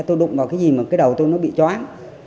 tại sao tôi đụng vào cái gì mà cái đầu tôi nó bị choáng